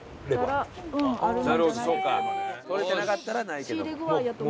とれてなかったらないけど。